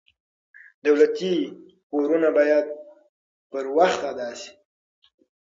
دولتي پورونه باید په وخت ادا شي.